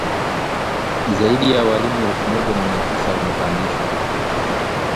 Zaidi ya walimu elfu moja na mia tisa wamepandishwa